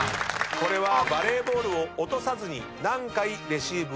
これはバレーボールを落とさずに何回レシーブを続けられるか。